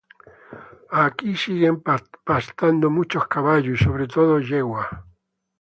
Aquí siguen pastando muchos caballos y sobre todo yeguas.